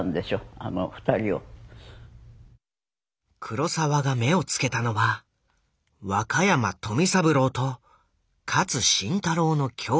黒澤が目をつけたのは若山富三郎と勝新太郎の兄弟。